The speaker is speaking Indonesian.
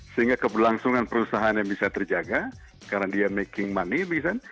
sehingga keberlangsungan perusahaan yang bisa terjaga karena dia making money bisa